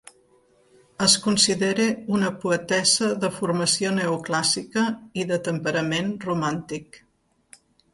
Es considera una poetessa de formació neoclàssica i de temperament romàntic.